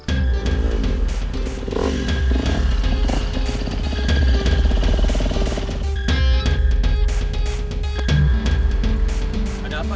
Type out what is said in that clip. tunggu aku mau cari masalah